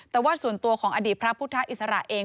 แต่ว่าส่วนตัวของอดีตพระพุทธอิสระเอง